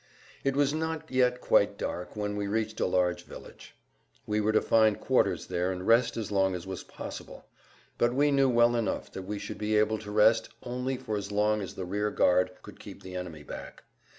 It was not yet quite dark when we reached a large village. We were to find quarters there and rest as long as was possible. But we knew well enough that we should be able to rest only for as long as the rear guard could keep the enemy back.